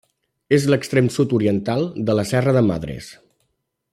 És l'extrem sud-oriental de la Serra de Madres.